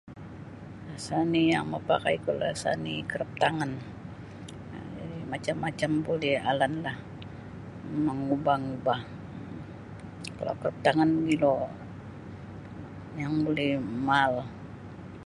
Sani yang mapakai ku lah sani kraftangan jadi macam-macam buli alan lah mangubah-ngubah kalau kraftangan magilo yang buli maal.